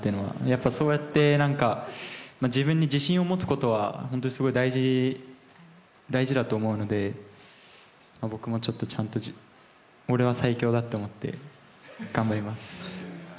やっぱそうやって、なんか自分に自信を持つことは本当にすごい大事だと思うので、僕もちょっと、ちゃんと、オレは最強だ！って思って頑張ります。